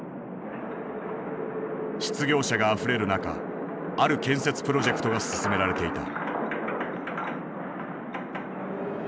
失業者があふれる中ある建設プロジェクトが進められていた。